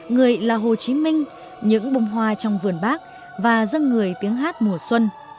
người là hồ chí minh những bông hoa trong vườn bác và dân người tiếng hát mùa xuân